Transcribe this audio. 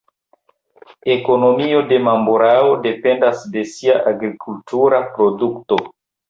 Ekonomio de Mamburao dependas de sia agrikultura produkto.